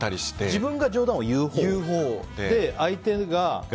自分が冗談を言うほうで相手が。